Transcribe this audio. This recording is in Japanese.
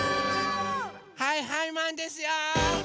はいはいマンですよ！